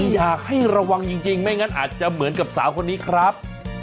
อยากให้ระวังจริงไม่งั้นอาจจะเหมือนกับสาวคนนี้ครับ